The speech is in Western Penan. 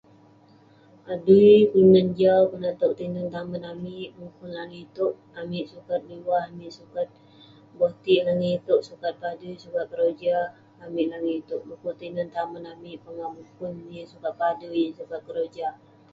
adui kelunan jau konak towk tinen tamen amik mukun langit itouk, amik sukat miwah amik, amik sukat botik langit itouk sukat padui sukat keroja amik langit itouk, du'kuk tinen tamen amik pongah mukun yeng sukat padui, yeng sukat keroja,